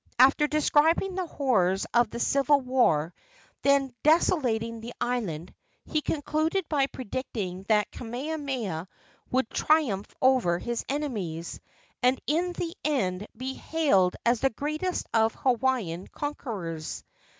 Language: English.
After describing the horrors of the civil war then desolating the island, he concluded by predicting that Kamehameha would triumph over his enemies, and in the end be hailed as the greatest of Hawaiian conquerors.